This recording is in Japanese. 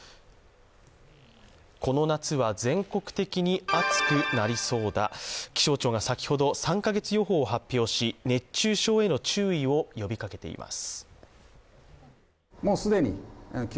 この夏は全国的に暑くなりそうだ、気象庁が先ほど３か月予報を発表し熱中症への注意を呼びかけています。